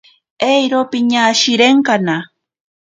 Eiro piñashirenkana.